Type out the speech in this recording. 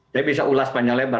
saya bisa ulas panjang lebar